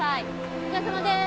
お疲れさまです。